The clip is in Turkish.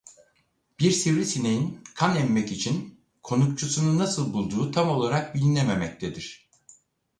Bir sivrisineğin kan emmek için konukçusunu nasıl bulduğu tam olarak bilinememektedir.